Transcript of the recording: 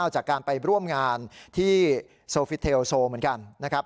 จากการไปร่วมงานที่โซฟิเทลโซเหมือนกันนะครับ